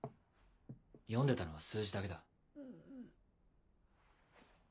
読んでたのは数字だけだ。